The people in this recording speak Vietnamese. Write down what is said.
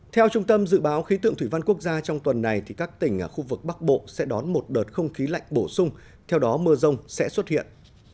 theo trung tâm dự báo khí tượng thủy văn quốc gia trong tuần này các tỉnh khu vực bắc bộ sẽ đón một đợt không khí lạnh bổ sung theo đó mưa rông sẽ xuất hiện